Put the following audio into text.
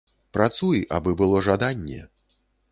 Працуй, абы было жаданне!